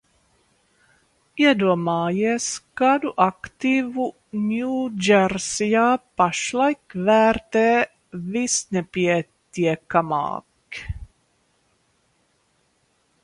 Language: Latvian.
Iedomājies, kādu aktīvu Ņūdžersijā pašlaik vērtē visnepietiekamāk?